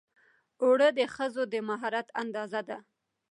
اوړه د ښځو د مهارت اندازه ده